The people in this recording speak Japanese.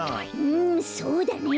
うんそうだね。